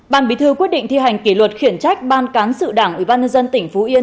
ban bí thư quyết định thi hành kỷ luật khiển trách ban cán sự đảng ủy ban nhân dân tỉnh phú yên